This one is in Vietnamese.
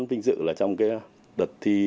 vinh dự là trong cái đợt thi